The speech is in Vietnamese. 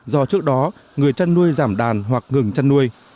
do trước đó người chăn nuôi giảm đàn hoặc ngừng chăn nuôi